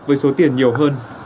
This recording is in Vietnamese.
với số tiền nhiều hơn